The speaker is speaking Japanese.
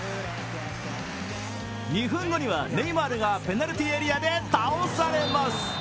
２分後には、ネイマールがペナルティーエリアで倒されます。